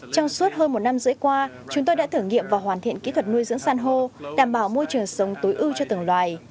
trong suốt hơn một năm rưỡi qua chúng tôi đã thử nghiệm và hoàn thiện kỹ thuật nuôi dưỡng san hô đảm bảo môi trường sống tối ưu cho từng loài